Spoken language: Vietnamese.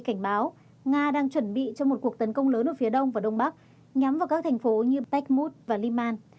cảnh báo nga đang chuẩn bị cho một cuộc tấn công lớn ở phía đông và đông bắc nhắm vào các thành phố như pechmut và liman